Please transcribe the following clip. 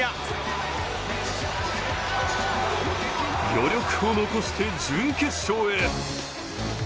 余力を残して準決勝へ。